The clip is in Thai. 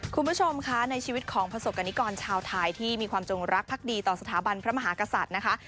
คุณผู้ชมคะในชีวิตของประสบกรณิกรชาวไทยที่มีความจงรักภักดีต่อสถาบันพระมหากษัตริย์นะคะ